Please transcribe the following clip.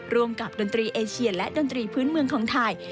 ร่วมกับดนตรีเอเชียและดนตรีพื้นเมืองของไทย